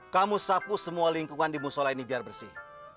kamu sapu semua lingkungan di musola ini biar bersih